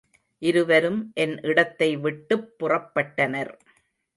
இருவரும் என் இடத்தை விட்டுப் புறப்பட்டனர்.